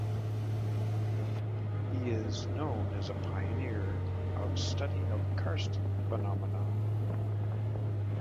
He is known as a pioneer of study of karst phenomena.